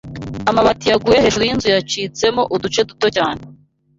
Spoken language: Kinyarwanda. Amabati yaguye hejuru yinzu yacitsemo uduce duto cyane.